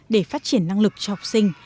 để phát triển năng lực cho học sinh